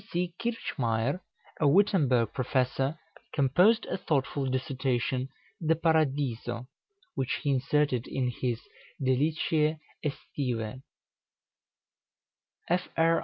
Kirchmayer, a Wittemberg professor, composed a thoughtful dissertation, "De Paradiso," which he inserted in his "Deliciæ Æstivæ." Fr.